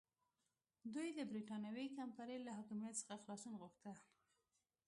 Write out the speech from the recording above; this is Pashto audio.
دوی د برېټانوي کمپنۍ له حاکمیت څخه خلاصون غوښته.